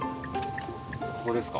ここですか？